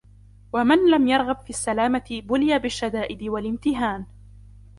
وَمَنْ لَمْ يَرْغَبْ فِي السَّلَامَةِ بُلِيَ بِالشَّدَائِدِ وَالِامْتِهَانِ